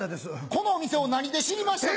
このお店を何で知りましたか？